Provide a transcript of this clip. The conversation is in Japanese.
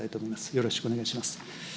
よろしくお願いします。